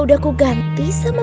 pakai senter saya